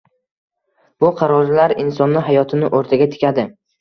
Bu qarorlar insonni hayotini oʻrtaga tikadi